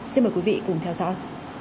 xin mời quý vị cùng theo dõi